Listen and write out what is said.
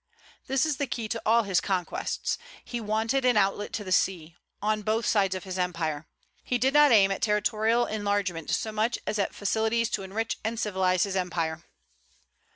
This is the key to all his conquests. He wanted an outlet to the sea, on both sides his empire. He did not aim at territorial enlargement so much as at facilities to enrich and civilize his empire.